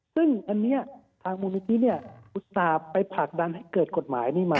ซึ่งอันนี้ทางมูลนิธิเนี่ยอุตส่าห์ไปผลักดันให้เกิดกฎหมายนี้มา